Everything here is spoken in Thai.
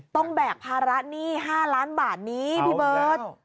แบกภาระหนี้๕ล้านบาทนี้พี่เบิร์ต